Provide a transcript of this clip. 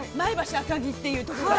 赤城っていうところが。